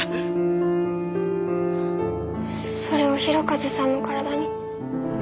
それを弘和さんの体に。